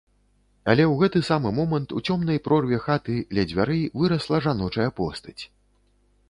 Але ў гэты самы момант у цёмнай прорве хаты ля дзвярэй вырасла жаночая постаць.